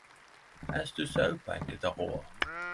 Eg stussar og på enkelte av råda.